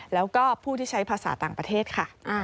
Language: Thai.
แล้วก็ผู้ที่ใช้ภาษาต่างประเทศค่ะ